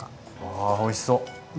あおいしそう。